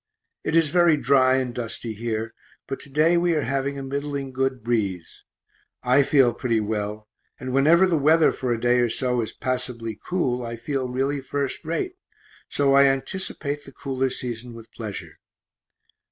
It is very dry and dusty here, but to day we are having a middling good breeze I feel pretty well, and whenever the weather for a day or so is passably cool I feel really first rate, so I anticipate the cooler season with pleasure.